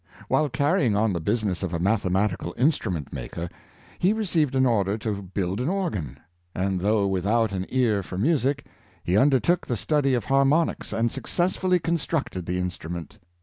While carry ing on the business of a mathematical instrument maker, he received an order to build an organ, and, though without an ear for music, he undertook the study of harmonics, and successfully constructed the instrument.